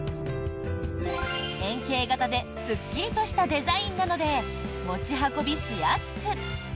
円形型ですっきりとしたデザインなので持ち運びしやすく。